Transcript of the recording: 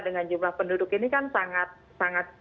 dengan jumlah penduduk ini kan sangat sangat